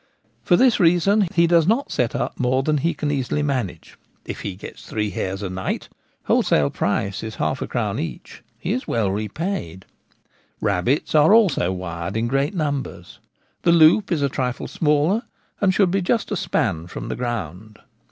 For this reason he does not set up more than he can easily manage. If he gets three hares a night (wholesale price 2s. 6d. each) he is well repaid Rabbits are also wired in great numbers. The loop is a trifle smaller, and should be just a span from the ground.